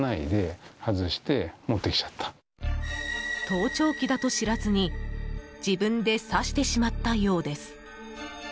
盗聴器だと知らずに自分で挿してしまったようです。